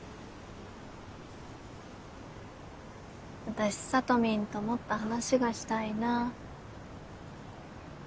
私サトミンともっと話がしたいな。